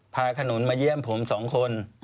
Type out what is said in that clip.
ขนุนมาเยี่ยมผมสองคน